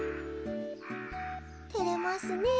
てれますねえ。